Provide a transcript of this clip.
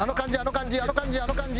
あの感じあの感じ